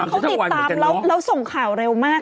เขาติดตามแล้วส่งข่าวเร็วมาก